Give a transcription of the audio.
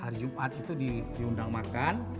hari jumat itu diundang makan